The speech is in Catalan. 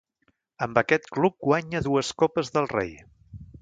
Amb aquest club guanya dues Copes del Rei.